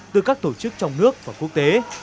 từ các tổ chức trong nước và quốc tế